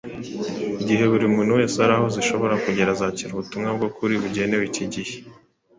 igihe buri muntu wese uri aho zishobora kugera azakira ubutumwa bw’ukuri bugenewe iki gihe.